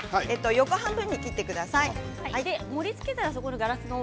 横半分に切ってください。